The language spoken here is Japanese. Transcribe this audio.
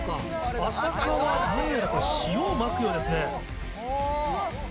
安積はどうやら塩をまくようですね。